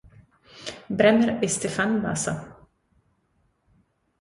Bremer e Stephane Basa.